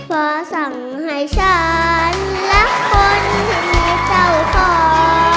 เวลาที่ท่านรักคนที่เจ้าของ